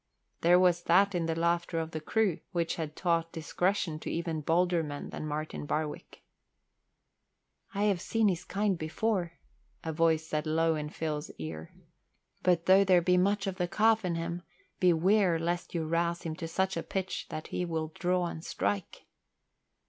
There was that in the laughter of the crew which had taught discretion to even bolder men than Martin Barwick. "I have seen his kind before," a voice said low in Phil's ear. "But though there be much of the calf in him, beware lest you rouse him to such a pitch that he will draw and strike."